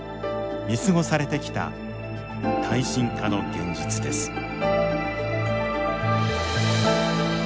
見過ごされてきた耐震化の現実です。